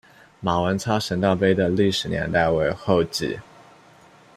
马文操神道碑的历史年代为后晋。